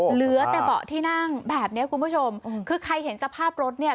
เหลือแต่เบาะที่นั่งแบบเนี้ยคุณผู้ชมคือใครเห็นสภาพรถเนี่ย